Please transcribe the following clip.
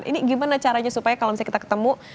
ini gimana caranya supaya kalau misalnya kita ketemu